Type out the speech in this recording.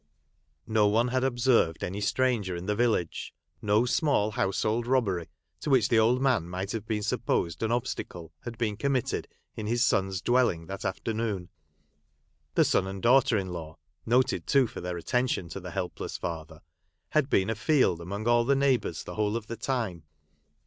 No one had observed any stranger in the village ; no small household robbery, to which the old man might have been supposed an obstacle, had been com mitted in his son's dwelling that afternoon. The son and daughter in law (noted too for their attention to the helpless father) had been a field among all the neighbours the whole of the time.